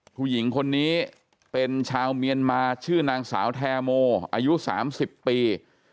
ผู้หญิงคนนี้เป็นชาวเมียนมาชื่อนางสาวแทโมอายุ๓๐ปี